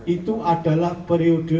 itu adalah periode panik